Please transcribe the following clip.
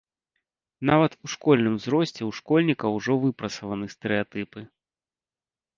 Нават у школьным узросце ў школьнікаў ужо выпрацаваны стэрэатыпы.